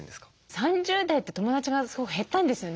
３０代って友だちがすごく減ったんですよね。